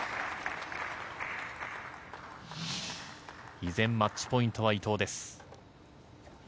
依然、マッチポイントは伊藤です。